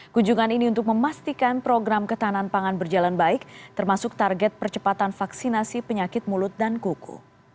kunjungan ini untuk memastikan program ketahanan pangan berjalan baik termasuk target percepatan vaksinasi penyakit mulut dan kuku